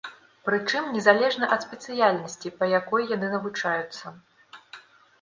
Прычым незалежна ад спецыяльнасці, па якой яны навучаюцца.